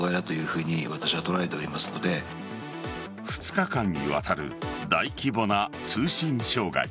２日間にわたる大規模な通信障害。